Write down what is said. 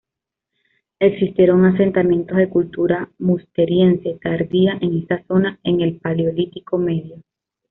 Existieron asentamientos de cultura musteriense tardía en esta zona en el Paleolítico Medio.